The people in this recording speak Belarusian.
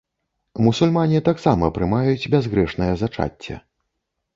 Мусульмане таксама прымаюць бязгрэшнае зачацце.